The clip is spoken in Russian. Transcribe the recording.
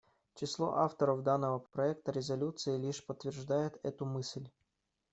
Число авторов данного проекта резолюции лишь подтверждает эту мысль.